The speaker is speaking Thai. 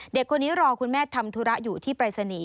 เด็กคนนี้รอคุณแม่ทำธุระอยู่ที่ปรายศนีย์